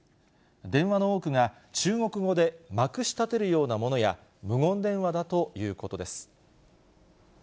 電話の多くが中国語でまくしたてるようなものや、無言電話だということです。